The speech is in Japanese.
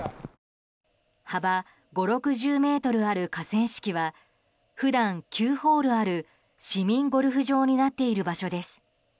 幅５０６０ｍある河川敷は普段９ホールある市民ゴルフ場になっている場所です。